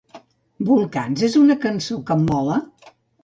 "Volcans" és una cançó que em mola?